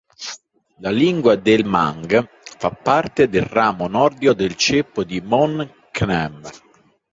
La lingua dei Mang fa parte del ramo nordico del ceppo Mon-Khmer.